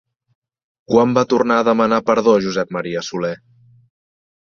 Quan va tornar a demanar perdó Josep Maria Soler?